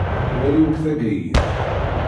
Wali akk taggayin.